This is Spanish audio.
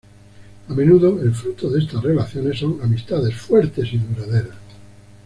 A menudo, el fruto de estas relaciones son amistades fuertes y duraderas.